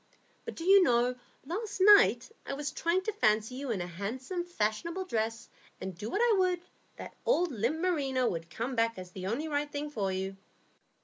But do you know, last night I was trying to fancy you in a handsome, fashionable dress, and do what I would, that old limp merino would come back as the only right thing for you.